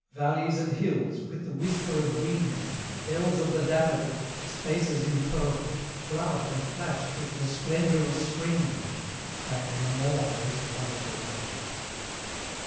Valleys and hills, with the whisper of wing in them, Dells of the daffodil spaces impearled, Flowered and flashed with the splendour of Spring in them Back in the morn of this wonderful world.